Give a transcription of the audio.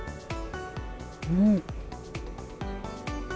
うん。